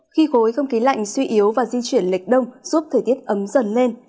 khi khối không khí lạnh suy yếu và di chuyển lệch đông giúp thời tiết ấm dần lên